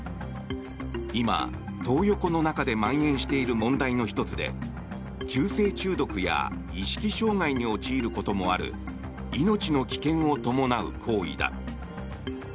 今、トー横の中でまん延している問題の１つで急性中毒や意識障害に陥ることもある命の危険を伴う行為だ。